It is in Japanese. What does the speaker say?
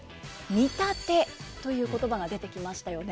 「見立て」という言葉が出てきましたよね。